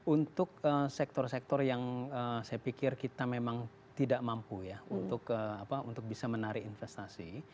untuk sektor sektor yang saya pikir kita memang tidak mampu ya untuk bisa menarik investasi